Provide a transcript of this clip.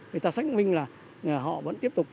thì ta xác minh là họ vẫn tiếp tục